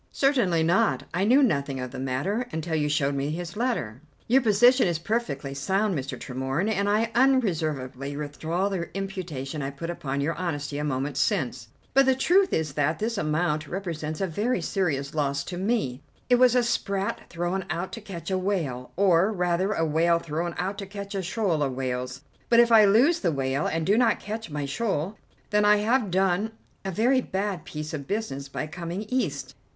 "Certainly not. I knew nothing of the matter until you showed me his letter." "Your position is perfectly sound, Mr. Tremorne, and I unreservedly withdraw the imputation I put upon your honesty a moment since. But the truth is that this amount represents a very serious loss to me. It was a sprat thrown out to catch a whale, or, rather, a whale thrown out to catch a shoal of whales. But if I lose the whale and do not catch my shoal, then I have done a very bad piece of business by coming East.